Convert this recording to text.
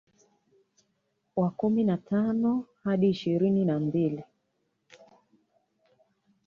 was kumi na tano Hadi ishirini na mbili